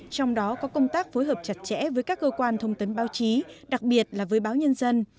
trong đó có công tác phối hợp chặt chẽ với các cơ quan thông tấn báo chí đặc biệt là với báo nhân dân